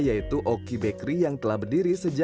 yaitu oki bakery yang telah berpengenangannya